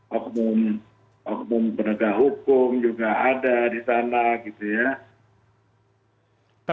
hukum penegak hukum juga ada di sana gitu ya